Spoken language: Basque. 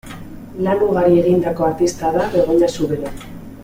Lan ugari egindako artista da Begoña Zubero.